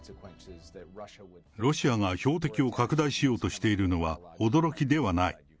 ロシアが標的を拡大しようとしているのは、驚きではない。